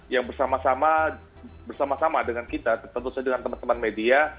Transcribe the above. yang bersama sama bersama sama dengan kita tentu saja dengan teman teman media